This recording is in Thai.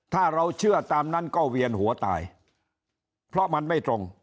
ถ้าเราเชื่อตามนั้นก็เวียนหัวตายเพราะมันไม่ตรง